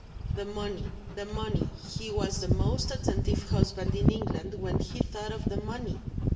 The money, the money he was the most attentive husband in England when he thought of the money!